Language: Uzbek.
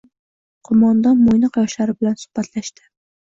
Qo‘mondon Mo‘ynoq yoshlari bilan suhbatlashdi